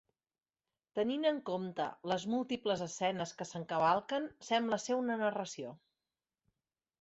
Tenint en compte les múltiples escenes que s'encavalquen, sembla ser una narració.